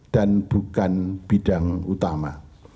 dan bukan bidang utama